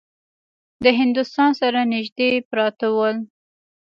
د هندوستان سره نیژدې پراته ول.